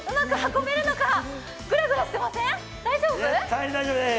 絶対大丈夫です！